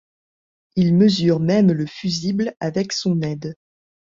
Ils mesurent même le fusible avec son aide.